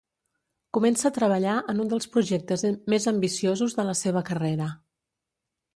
Comença a treballar en un dels projectes més ambiciosos de la seva carrera.